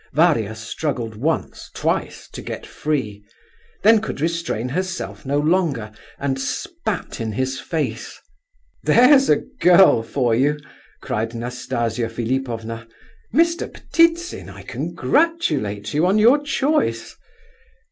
Varia struggled once—twice—to get free; then could restrain herself no longer, and spat in his face. "There's a girl for you!" cried Nastasia Philipovna. "Mr. Ptitsin, I congratulate you on your choice."